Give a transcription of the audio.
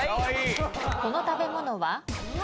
この食べ物は？